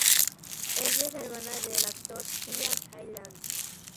Ella es la hermana del actor Ian Hyland.